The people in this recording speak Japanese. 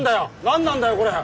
何なんだよこれ。